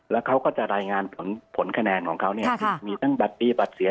แล้วเขาก็จะรายงานผลคะแนนของเขาเนี่ยมีทั้งบัตรดีบัตรเสีย